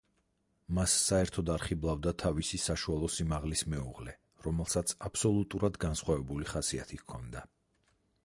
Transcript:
მას საერთოდ არ ხიბლავდა თავისი საშუალო სიმაღლის მეუღლე, რომელსაც აბსოლუტურად განსხვავებული ხასიათი ჰქონდა.